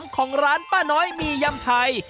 ของร้านป้าน้อยมียำไทย